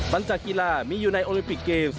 หลังจากกีฬามีอยู่ในโอลิมปิกเกมส์